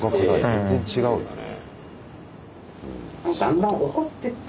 全然違うんだね。